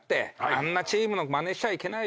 あんなチームのまねしちゃいけない。